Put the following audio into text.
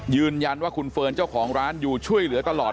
ยืนยันว่าคุณเฟิร์นเจ้าของร้านอยู่ช่วยเหลือตลอด